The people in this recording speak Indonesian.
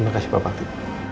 makasih pak bakti